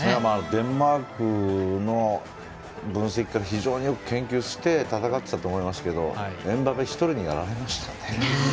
デンマークの分析官非常によく研究して戦ってたと思いますけどエムバペ１人にやられましたね。